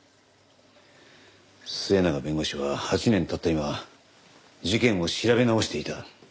末永弁護士は８年経った今事件を調べ直していた。